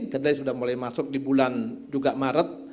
kedelai sudah mulai masuk di bulan juga maret